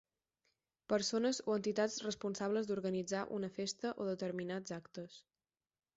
Persones o entitats responsables d'organitzar una festa o determinats actes.